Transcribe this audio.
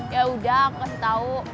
ya udah aku kasih tau